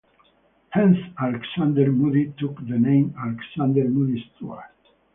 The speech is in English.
Hence Alexander Moody took the name Alexander Moody Stuart.